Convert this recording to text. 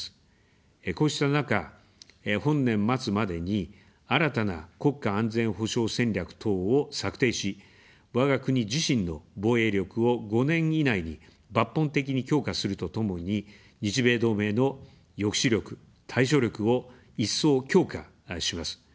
こうした中、本年末までに新たな国家安全保障戦略等を策定し、わが国自身の防衛力を５年以内に抜本的に強化するとともに、日米同盟の抑止力・対処力を一層強化します。